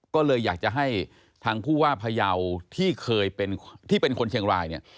ก็เลยอยากจะให้ทางผู้ว่าพยาวที่เป็นคนเชียงราย